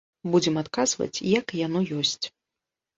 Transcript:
Будзем адказваць, як яно ёсць!